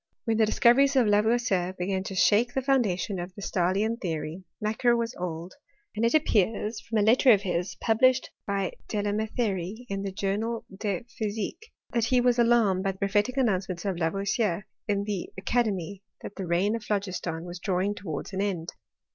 When the discoveries of Lavoisier began to shake the foun dation of the Stahlian theory, Macquer was old ; and It appears from a letter of his, published by Dela Qketherie in the Journal de Physique, that he was alarmed at the prophetic announcements of Lavoisier in the academy that the reign of Phlogiston was drawing towards an end.